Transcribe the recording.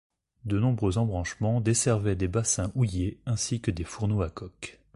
De nombreux embranchements desservaient des bassins houillers ainsi que des fourneaux à coke.